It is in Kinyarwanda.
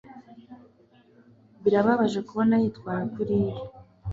birababaje kubona yitwara kuriya